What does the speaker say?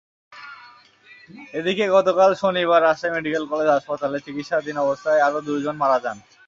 এদিকে, গতকাল শনিবার রাজশাহী মেডিকেল কলেজ হাসপাতালে চিকিৎসাধীন অবস্থায় আরও দুজন মারা যান।